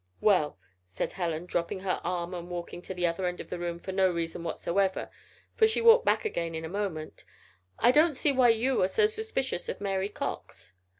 "Well," said Helen, dropping her arm and walking to the other end of the room for no reason whatsoever, for she walked back again, in a moment, "I don't see why you are so suspicious of Mary Cox."